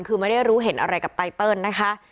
คือไม่ได้รู้เห็นอะไรกับไตเติลนะคะ